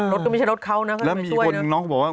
รถก็ไม่ใช่รถเขานะคะแล้วมีคนน้องเขาบอกว่า